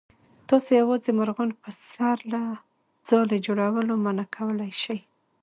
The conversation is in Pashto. تاسو یوازې مرغان په سر له ځالې جوړولو منع کولی شئ.